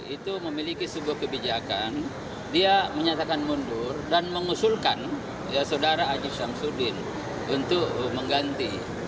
itu memiliki sebuah kebijakan dia menyatakan mundur dan mengusulkan saudara aji syamsuddin untuk mengganti